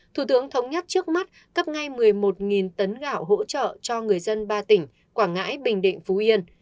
thủ tướng thống nhất trước mắt cấp ngay một mươi một tấn gạo hỗ trợ cho người dân ba tỉnh quảng ngãi bình định phú yên